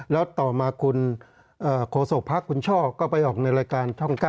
แล้วต่อมาคุณโฆษกภักดิคุณช่อก็ไปออกในรายการช่อง๙